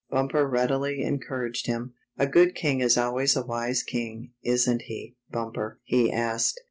Bumper readily en couraged him. "A good king is always a wise king, isn't he, Bumper?" he asked.